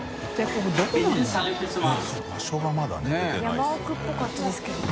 山奥っぽかったですけどね。